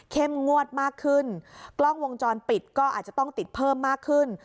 งวดมากขึ้นกล้องวงจรปิดก็อาจจะต้องติดเพิ่มมากขึ้น